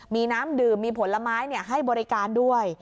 มีน้ำดื่มมีผลไม้ให้บริการด้วย